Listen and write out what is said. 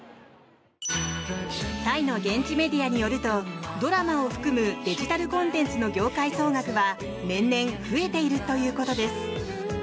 タイの現地メディアによるとドラマを含むデジタルコンテンツの業界総額は年々増えているということです。